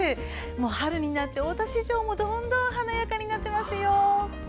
春になって大田市場もどんどん華やかになってますよ。